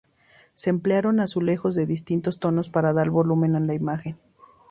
Se emplearon azulejos de distintos tonos para dar volumen a la imagen.